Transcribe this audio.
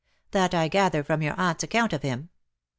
That I gather from your aunt's account of him.